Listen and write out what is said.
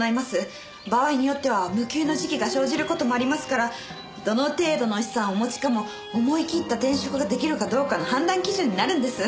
場合によっては無給の時期が生じる事もありますからどの程度の資産をお持ちかも思い切った転職が出来るかどうかの判断基準になるんです。